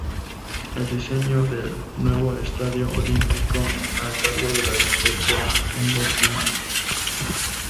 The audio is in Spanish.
El diseño del "Nuevo Estadio Olímpico" está a cargo del arquitecto Kengo Kuma.